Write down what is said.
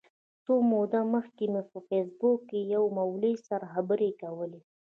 څه موده مخکي مي په فېسبوک کي له یوه مولوي سره خبري کولې.